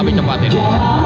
minyak cepat ini